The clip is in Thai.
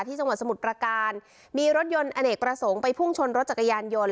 จังหวัดสมุทรประการมีรถยนต์อเนกประสงค์ไปพุ่งชนรถจักรยานยนต์